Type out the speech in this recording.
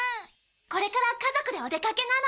これから家族でお出かけなの。